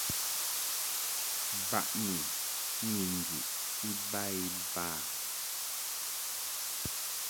Baʼni ni njuʼ iba iba.